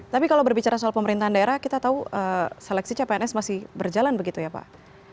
tapi kalau berbicara soal pemerintahan daerah kita tahu seleksi cpns masih berjalan begitu ya pak